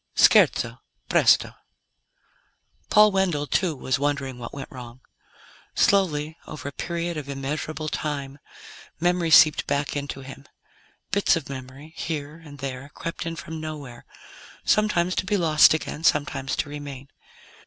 SCHERZO PRESTO Paul Wendell, too, was wondering what went wrong. Slowly, over a period of immeasurable time, memory seeped back into him. Bits of memory, here and there, crept in from nowhere, sometimes to be lost again, sometimes to remain.